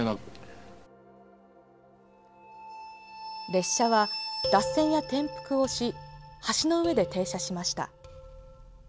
列車は、脱線や転覆をし橋の上で停車しました。